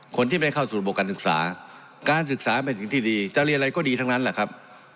คนที่ไม่เข้าสู่ระบบการศึกษาการศึกษาเป็นสิ่งที่ดีจะเรียนอะไรก็ดีทั้งนั้นแหละครับ